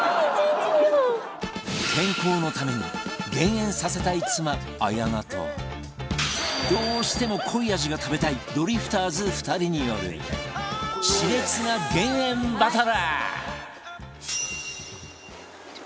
健康のために減塩させたい妻綾菜とどうしても濃い味が食べたいドリフターズ２人による熾烈な減塩バトル！